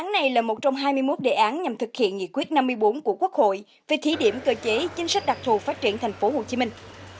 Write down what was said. đây là một đề án nhằm thực hiện nghị quyết năm mươi bốn của quốc hội về thí điểm cơ chế chính sách đặc thù phát triển thành phố hồ chí minh